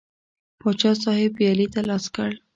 پاچا صاحب پیالې ته لاس کړ.